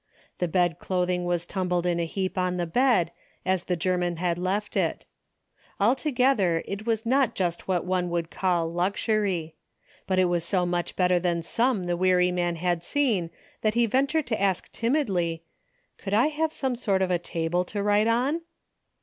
The bed clothing was tumbled in a heap on the bed, as the German had left it. Altogether it was not just what one would call luxury. But it was so much better than some the weary man had seen that he ven tured to ask timidly, " Could I have some sort of a table to write on